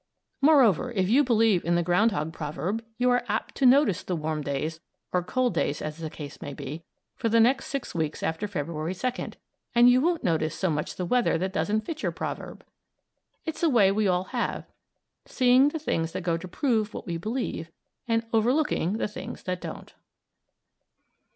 Moreover, if you believe in the ground hog proverb you are apt to notice the warm days (or cold days, as the case may be) for the next six weeks after February 2, and you won't notice so much the weather that doesn't fit your proverb! It's a way we all have; seeing the things that go to prove what we believe and overlooking the things that don't.